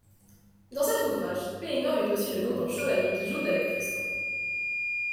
Dans cet ouvrage, Pellinor est aussi le nom d'un chevalier qui joute avec Tristan.